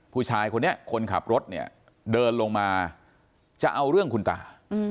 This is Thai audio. ผู้ชายคนนี้คนขับรถเนี่ยเดินลงมาจะเอาเรื่องคุณตา